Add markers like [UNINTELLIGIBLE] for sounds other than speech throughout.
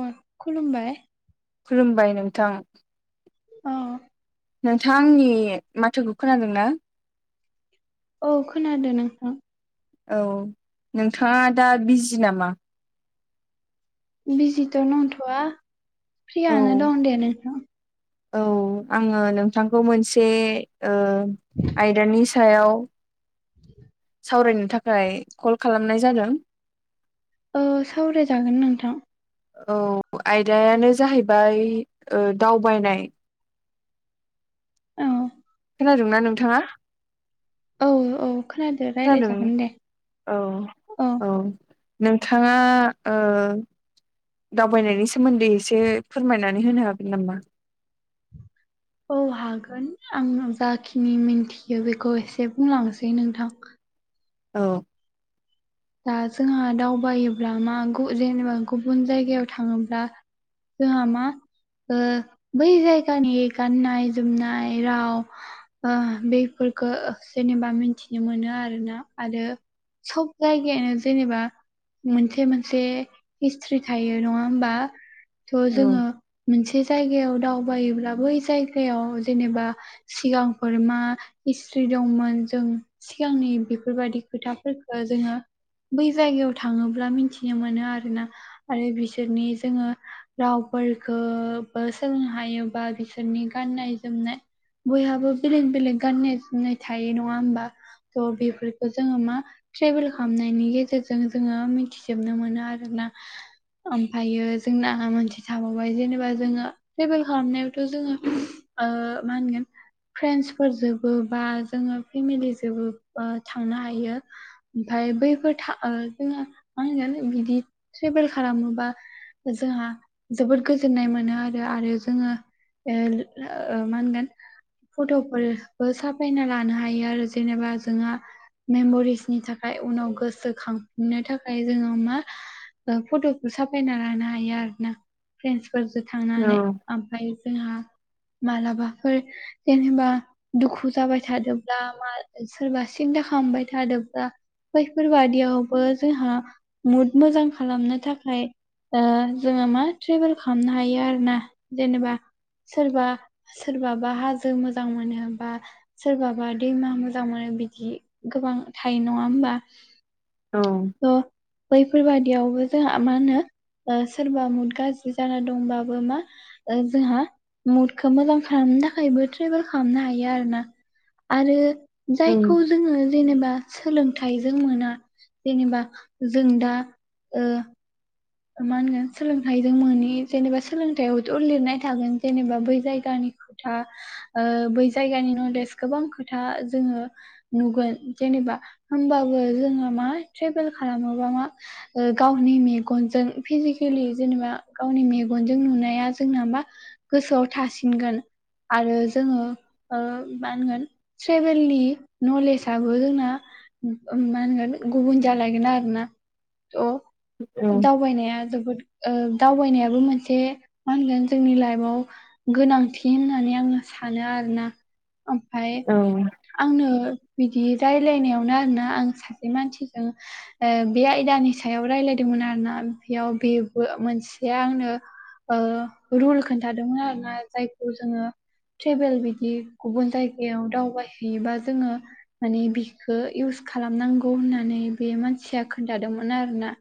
अ खुलुमबाय खुलुमबाय नोंथां औ नोंथाङा आंनि माथोखौ खोनादों ना? औ खोनादों नोंथां औ नोंथाङा दा बिजि नामा? बिजिथ' नंथ'आ औ फ्रियानो दं दे नोंथां औ आङो नोंथांखौ मोनसे ओ आयदानि सायाव सावरायनो थाखाय कल खालामनाय जादों ओ सावरायजागोन नोंथां औ आयदायानो जाहैबाय ओ दावबायनाय औ खोनादों ना नोंथाङा। औ औ खोनादो खोनादों रायलायजागोन दे औ औ नोंथाङा ओ दावबायनायनि सोमोन्दै एसे फोरमायनानै होनो हागोन नामा? औ हागोन आं जाखिनि मिन्थियो बेखौ एसे बुंलांनोसै नोंथां। औ दा जोंहा दावबायोब्ला मा गु जेनेबा गुबुन जायगायाव थाङोब्ला। जोहा मा ओ बै जायगानि गाननाय जोमनाय राव ओ बेफोरखौ जेनेबा मिथिनो मोनो आरोना आरो सब जायगायानो जेनेबा मोनसे मोनसे हिस्ट्रि थायो नङा होमबा थ' औ जोङो मोनसे जायगायाव दावबायोब्ला बै जायगायाव जेनेबा सिगांफोर मा हिस्थ्रि दंमोन जों सिगांनि बेफोरबादि खोथाफोरखो जोङो बै जायगायाव थाङोब्ला मिथिनो मोनो आरोना आरो बिसोरनि जोङो। रावफोरखोबो सोलोंनो हायोबा बिसोरनि गाननाय जोमनाय। बयहाबो बेलेग बेलेग गाननाय जोमनाय थायो नङा होमबा। थ बेफोरखौ जोङो मा? ट्रेभेल खालामनायनि गेजेरजों जोङो मिथिजोबनो मोनो आरोना। ओमफ्रायो जोंना मोनसे थाबावबाय जेनेबा जोङो। ट्रेभेल खालामनायावथ जोङो ओ-मा होनगोन फ्रेन्डसफोरजोंबो बा जोङो फेमिलि जोंबो थांनो हायो। ओमफाय बैफोर था- जोंहा मा होनगोन बिदि ट्रेभेल खालामोबा। जोंहा जोबोद गोजोननाय मोनो आरो आरो जोङो। [UNINTELLIGIBLE] मा होनगोन फटफोरबो साफायना लानो हायो आरो जेनेबा जोंहा मेमरिसनि थाखाय ओमफ्राय उनाव गोसोखांनो थाखाय जोङो मा। फटफोर साफायना लानो हायो आरो ना फ्रेन्सफोरजों औ थांनानै ओमफाय जोंहा मालाबाफोर जेनेबा दुखु जाबाय थादोब्ला मा सोरबा सिन्था खालामबाय थादोब्ला। बैफोरबादियावबो जोंहा मुद मोजां खालामनो थाखाय। ओ-जोङो मा ट्रेभेल खालामनो हायो आरो ना जेनेबा सोरबा सोरबाबा हाजो मोजां मोनो बा सोरबाबा दैमा मोजां मोनो बिदि गोबां थायो नङा होमबा। औ स बैफोरबादियावबो जोंहा मा होनो सोरबा मुद गाज्रि जाना दंबाबो मा? जोंहा मुदखौ मोजां खालामनो थाखायबो ट्रेभेल खालामनो हायो आरो ना। आरो औ जायखौ जोङो जेनेबा सोलोंथाइजों मोना। जेनेबा जों दा ओ मा होनगोन सोलोंथाइजों मनि जेनेबा सोलोंथायाइ हयथ लिरनाय थागोन जेनेबा बै जायगानि। खोथा बै जायगानि नलेज गोबां खोथा जोङो। नुगोन जेनेबा होमबाबो जोङो मा ट्रेभेल खालामोबा मा। ओ गावनि मे गनजों फिजिकेलि जेनेबा गावनि मेगनजों नुनाया जोंना मा गोसोआव थासिनगोन आरो जोङो ओ-मा होनगोन। ट्रेभेलनि नलेजाबबो जोंना। मा होनगोन गुुबुन जालायगोन आरो ना थ औ दावबायनाया जोबोद ओ-दावबायनायाबो मोनसे मा होनगोन जोंनि लाइफआव गोनांथि होननानै आङो सानो आरोना ओमफाय। औ आंनो बिदि राय्लायनायावनो आरोना आं सासे मानसिजों बे आयदानि सायाव रायजलायदोंमोन आरोना बेयाव बेबो मोनसे आंनो ओ रुल खोनन्थादोंमोन आरोना जायखौ जोङो ट्रेबेल बिदि गुबुन जायगायाव दावबायहैयोबा जोङो माने बिखो इउस खालामनांगौ होननानै बे मानसिया खोन्थादोंमोन आरोना।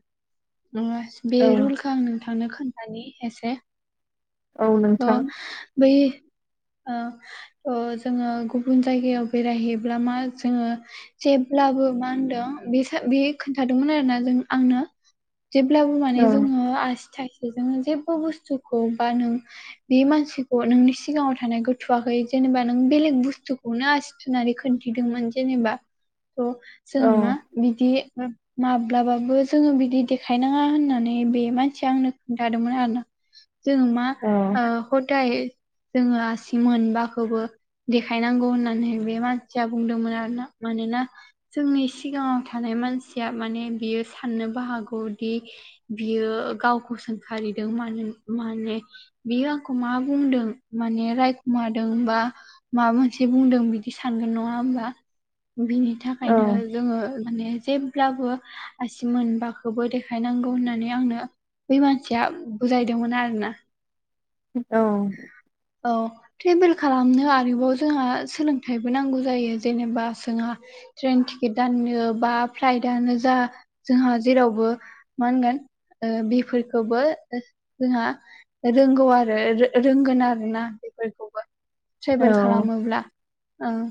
ओ बे औ रुलखौ आं नोंथांनो खोन्थानि एसे औ अ नोंथां बै आ ओ-जोङो गुबुन जायगायाव बेरायहैयोब्ला मा जोङो। जेब्लाबो मा होनदों बे बे खोन्थादोंमोन आरोना जों आंनो। जेब्लाबो माने औ जोङो आसि थाइसेजों जेबो बुस्थुखौ बा नों। बे मानसिखौ नोंनि सिगाङाव थानायखौ थुवाखै जेनेबा नों बेलेग बुस्थुखौनो आसि नानै खोन्थिदोंमोन जेनेबा थ औ जों मा बिदि माब्लाबाबो जोङो बिदि देखायनाङा होननानै बे मानसिया आंनो खोन्थादोंमोन आरो। जोङो मा औ ओ हदाय जोङो आसि मोनबखौबो देखायनांगौ होननानै बे मानसिया बुंदोंमोन आरोना मानोना जोंनि सिगाङाव थानाय मानसिया माने बियो साननोबो हागौदि बियो गावखौ सोंखारिदों मानो माने बियो आंखौ मा बुंदों माने रायखुमादों बा माबा मोनसे बुंदों बिदि सानगोन नङा होमबा? बिनि औ थाखायनो जोङो माने जे ब्लाबो आसि मोनबखौबो देखायनांगौ होननानै आंनो बै मानसिया बुजायदोंमोन आरोना। औ। औ। ट्रेभेल खालामनो आरोबाव जोंहा सोलोंथाइबो नांगौ जायो जेनेबा जोंहा ट्रेन टिकेट दाननो बा फ्लाइटनो जा जोंहा जेरावबो मा होनगोन ओ बिफोरखौबो जोंहा रोंगौ आरो रोंगोन आर ना बेफोरखौबो ट्रेभेल औ खालामोब्ला ओं।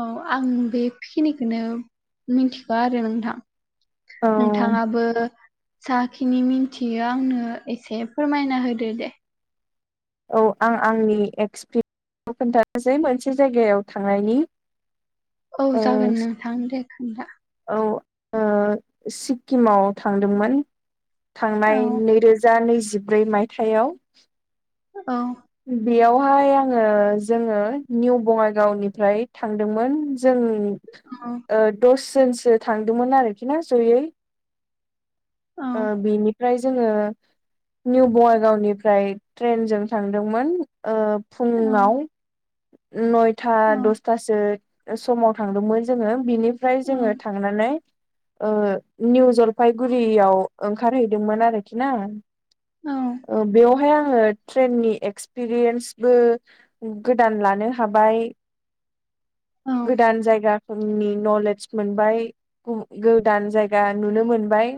औ आं बेखिनिखोनो मिन्थिगो आरो नोंथां। औ नोंथाङाबो साखिनि मिथियो आंनो एसे फोरमायना होदो दे। औ आं आंनि एक्सपि [INAUDIBLE] खोन्थानोसै मोनसे जायगायाव थांनायनि। औ ओ जागोन नोंथां दे खोन्था। औ ओ सिक्किमाव थांदोंमोन। औ थांनाय नैरोजा नैजिब्रै मायथाइयाव। औ बेयावहाय आङो जोङो निउ बङाइगावनिफ्राय थांदोंमोन जों औ ओ दसजोनसो थांदोंमोन आरोखि ना जयै। ओ औ बिनिफ्राय जोङो निउ बङाइगावनिफ्राय ट्रेनजों थांदोंमोन ओ फुङाव। नयथा दसथासो समाव थांदोंमोन जोङो बिनि ओमफ्राय जोङो थांनानै ओ निउ जलफायगुरियाव ओंखारहैदोंमोन आरोखि ना। ओ बेवहाय आङो ट्रेननि एक्सपिरियेन्सबो गोदान लानो हाबाय गोदान जायगा नि नलेज मोनबाय गोदान जायगा नुनो मोनबाय।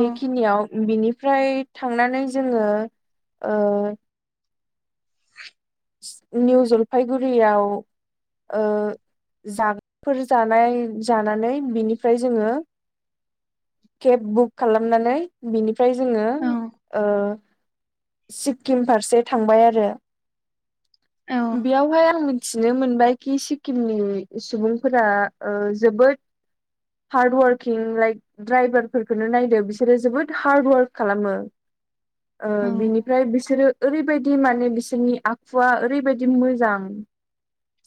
बेखिनियाव बिनिफ्राय थांनानै जोङो ओ निउ जलफायगुरियाव ओ जागफोर जानाय जानानै बिनिफ्राय जोङो केब बुक खालामनानै बिनिफ्राय जोङो सिक्किम फारसे थांबाय आरो बेयावहाय आं मिथिनो मोनबाय कि सिक्किमनि सुबुंफोरा जोबोद हार्ड वर्किं लाइक दराइभारफोरखौनो नायदो बिसोरो जोबोद हार्ड वार्क खालामो ओ बिनिफ्राय बिसोरो ओरैबायदि माने बिसोरनि आ खुवा ओरैबायदि मोजां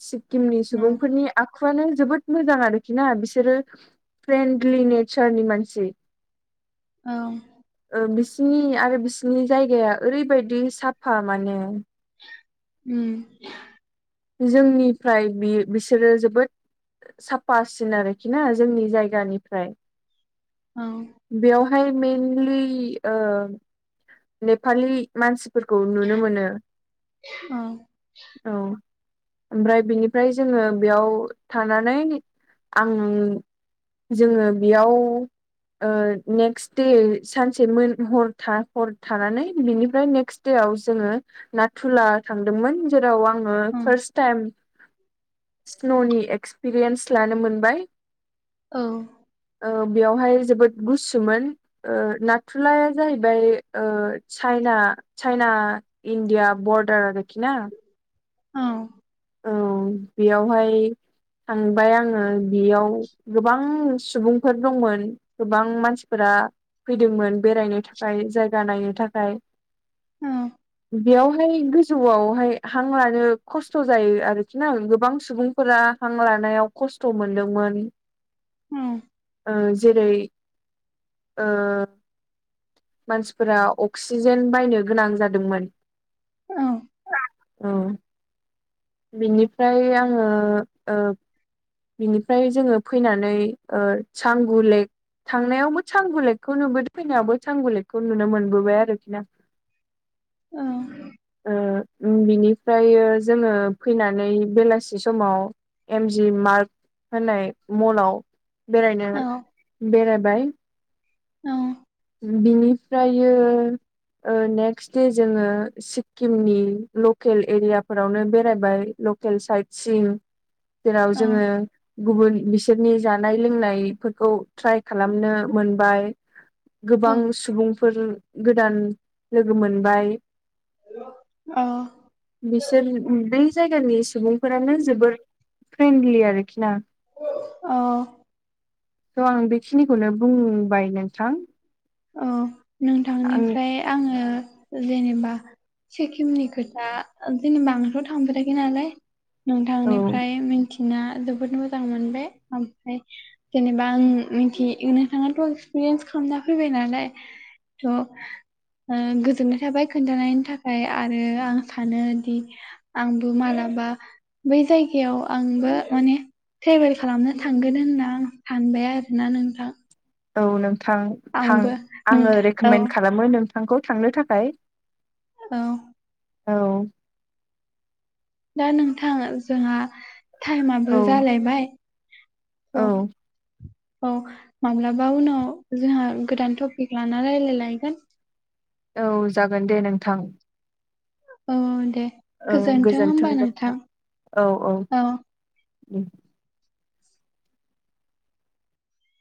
सिक्किमनि सुबुंफोरनि आखुआनो जोबोद मोजां आरोखि ना बिसोरो फ्रेन्डलि नेचारनि मानसि। औ ओ बिसिनि आरो बिसोरनि जायगाया ओरैबायदि साफा माने उम जोंनिफ्राय बिसोरो जोबोद साफासिन आरोखि ना जोंनि जायगानिफ्राय औ बेवहाय मेनलि नेपालि मानसिफोरखौ नुनो मोनो औ ओमफ्राय बिनिफ्राय जोङो बेयाव थानानै आं जोङो बेयाव नेक्स्ट दे सानसे हर थानानै बिनिफ्राय नेक्स्ट देयाव जोङो नाथुला थांदोंमोन जेराव आङो फार्स्ट टाइम स्न'नि एक्सपिरियेन्स लानो मोनबाय औ ओ बेयावहाय जोबोद गुसुमोन नाथुलाया जाहैबाय चाइना चाइना इण्डिया बर्डार आरो खिना औ औ बेयावहाय थांबाय आङो बेयाव गोबां सुबुंफोर दंमोन गोबां मानसिफोरा फैदोंमोन बेरायनो थाखाय जायगा नायनो थाखाय बेयावहाय गोजौआवहाय हां लानो खस्थ' खस्थ' जायो आरोखि ना गोबां सुबुंफोरा हां लानायाव खस्थ' मोनदोंमोन उम जेरै ओ मानसिफोरा अक्सिजेन बायनो गोनां जादोंमोन औ बिनिफ्राय आङो ओ बिनिफ्राय जोङो फैनानै चांगु लेक थांनायावबो चां गुलेकखौ नुबोदों फैनायावबो सां गुलेकखौ नुनो मोनबोबाय आरोखि ना [INAUDIBLE] औ ओ बिनिफ्राय जोङो फैनानै बेलासि समाव एमजि मार्क होननाय मलाव बेरायनो बेरायबाय औ बिनिफ्रायो नेक्स दे जोङो सिक्किमनि लकेल एरियाफोरावनो बेरायबाय लकेल साइट सिं जेराव जोङो गुबुन बिसोरनि जानाय लोंनाय खौ ट्राइ खालामनो मोनबाय गोबां सुबुंफोर गोदान लोगो मोनबाय। औ। बिसोर बै जायगानि सुबुंफोरानो जबोर फ्रेन्डलि आरोखि ना अ थ' आं बेखिनिखौनो बुंबाय नोंथां। औ आं नोंथांनिफ्राय आङो जेनेबा सिक्किमनि खोथा जोंनि बांद्र' थांफेराखै नालाय औ नोंथांनिफ्रायथि मिथिना जोबोद मोजां मोनबाय ओमफ्राय जेनेबा आं मिथि नो थाङाथ' एक्सपिरियेन्स खालामना फैबाय नालाय थ' गोजोननाय थाबाय खोन्थानायनि थाखाय आरो आं सानो दि आंबो मालाबा बै जायगायाव आंबो माने ट्रेभेल खालामनो थांगोन होनना आं सानबाय आरोना नोंथां औ नोंथां थां आंबो आङो नोंथां औ रेकमेन्ड खालामो नोंथांखौ थांनो थाखाय। औ। औ। दा नोंथां जोंहा टाइमाबो औ जालायबाय औ। औ माब्लाबा उनाव जोंहा गोदान टपिक लानानै रायज्लाय लायगोन। औ जागोन दे नोंथां। औ दे। ओ गोजोनथों गोजोन्थों होमबा नोंथां औ औ।